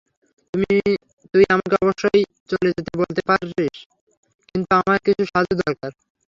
তুই আমাকে অবশ্যই চলে যেতে বলতে পারিস, কিন্তু আমার কিছু সাহায্য দরকার।